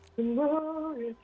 oke boleh dong sedikit